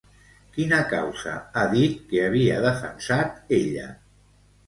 Quina causa ha dit que havia defensat ella?